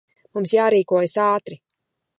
Mums jārīkojas ātri.